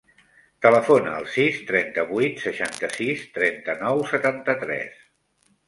Telefona al sis, trenta-vuit, seixanta-sis, trenta-nou, setanta-tres.